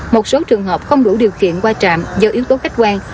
một số trường hợp không đủ điều kiện qua trạm do yếu tố khách quan